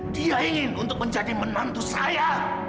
dia ingin untuk menjadi menantu saya